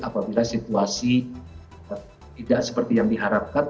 apabila situasi tidak seperti yang diharapkan